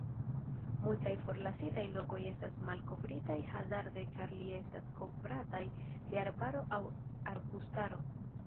Multaj forlasitaj lokoj estas malkovritaj hazarde ĉar ili estas kovrataj de arbaro au arbustaro.